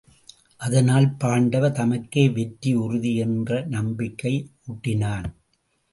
அதனால் பாண்டவர் தமக்கே வெற்றி உறுதி என்று நம்பிக்கை ஊட்டினான்.